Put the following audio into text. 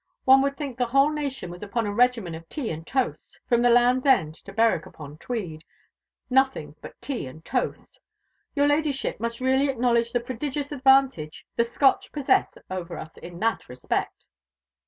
One would think the whole nation was upon a regimen of tea and toast from the Land's End to Berwick upon Tweed, nothing but tea and toast. Your Ladyship must really acknowledge the prodigious advantage the Scotch possess over us in that respect."